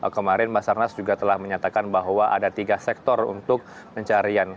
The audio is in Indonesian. kemarin basarnas juga telah menyatakan bahwa ada tiga sektor untuk pencarian